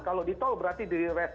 kalau di tol berarti di restator